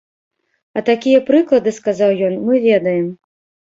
А такія прыклады, сказаў ён, мы ведаем.